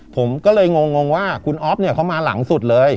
ผมก็เลยงงว่าคุณอ๊อฟเนี่ยเขามาหลังสุดเลย